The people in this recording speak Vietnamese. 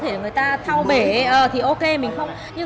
thì mình lại bắt đầu càng càng